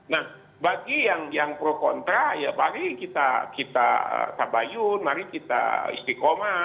nah bagi yang pro kontra ya mari kita tabayun mari kita istiqomah